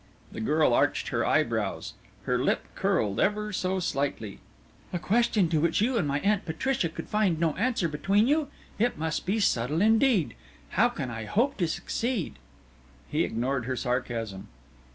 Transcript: The girl arched her eyebrows. Her lip curled ever so slightly. "A question to which you and my Aunt Patricia could find no answer between you! It must be subtle indeed! How can I hope to succeed?" He ignored her sarcasm.